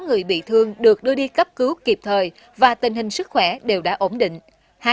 sáu người bị thương được đưa đi cấp cứu kịp thời và tình hình sức khỏe đều đã ổn định